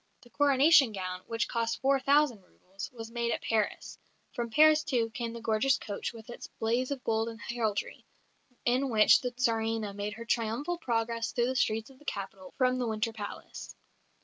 The Coronation gown, which cost four thousand roubles, was made at Paris; and from Paris, too, came the gorgeous coach with its blaze of gold and heraldry, in which the Tsarina made her triumphal progress through the streets of the capital from the Winter Palace.